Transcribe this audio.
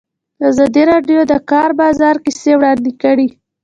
ازادي راډیو د د کار بازار کیسې وړاندې کړي.